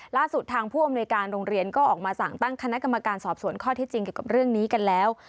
ล่าสุดทางผู้อำนวยการโรงเรียนก็ออกมาสั่งตั้งคณะกรรมการสอบสวนข้อที่จริงเกี่ยวกับเรื่องนี้กันแล้ว